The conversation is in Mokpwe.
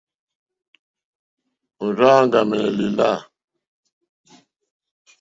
Ò rzáā áŋɡàmɛ̀nɛ̀ lìlâ.